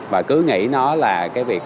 và cứ nghĩ nó là cái việc